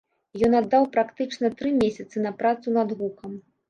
Ён аддаў практычна тры месяцы на працу над гукам.